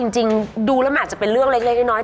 จริงดูแล้วมันอาจจะเป็นเรื่องเล็กน้อย